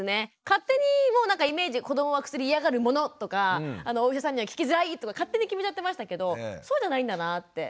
勝手にもうなんかイメージ子どもは薬嫌がるものとかお医者さんには聞きづらいとか勝手に決めちゃってましたけどそうじゃないんだなって。